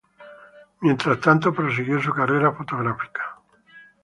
Mientras tanto, prosiguió su carrera fotográfica.